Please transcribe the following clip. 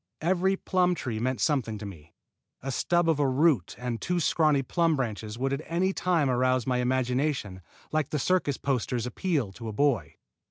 Every plum tree meant something to me. A stub of a root and two scrawny plum branches would at any time arouse my imagination like the circus posters' appeal to a boy.